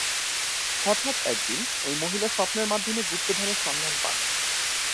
হঠাৎ একদিন ঐ মহিলা স্বপ্নের মাধ্যমে গুপ্তধনের সন্ধান পান।